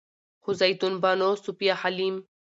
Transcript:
خو زيتون بانو، صفيه حليم